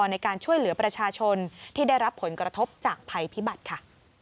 ในการช่วยเหลือประชาชนที่ได้รับผลกระทบจากภัยพิบัติค่ะ